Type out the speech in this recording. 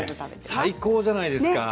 最高じゃないですか。